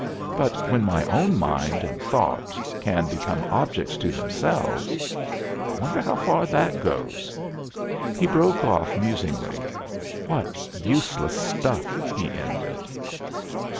But when my own mind and thought, can become objects to themselves I wonder how far that does go?" he broke off musingly. "What useless stuff!" he ended.